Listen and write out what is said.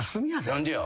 何でや？